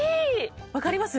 分かります？